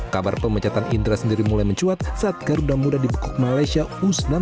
kabar pemecatan indra sendiri mulai mencuat saat garuda muda dibekuk malaysia u sembilan belas